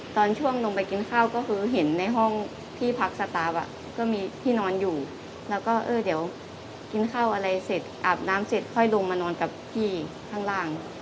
ตอนช่วงลงไปกินข้าวก็คือเห็นในห้องที่พักสตาร์ฟอ่ะก็มีที่นอนอยู่แล้วก็เออเดี๋ยวกินข้าวอะไรเสร็จอาบน้ำเสร็จค่อยลงมานอนกับพี่ข้างล่าง